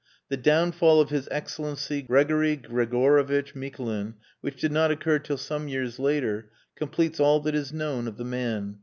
The downfall of His Excellency Gregory Gregorievitch Mikulin (which did not occur till some years later) completes all that is known of the man.